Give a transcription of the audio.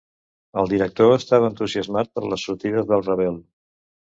El director estava entusiasmat per les sortides del Ravel.